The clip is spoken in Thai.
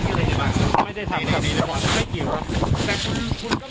ไปทำแผนจุดเริ่มต้นที่เข้ามาที่บ่อนที่พระราม๓ซอย๖๖เลยนะครับทุกผู้ชมครับ